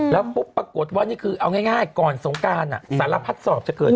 แล้วปุ๊บปรากฏว่านี่คือเอาง่ายก่อนสงการสารพัดสอบจะเกิดขึ้น